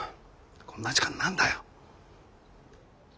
こんな時間に何だよ。